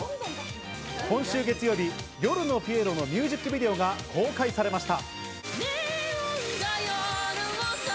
今週月曜日『夜のピエロ』のミュージックビデオが公開されました。